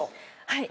はい。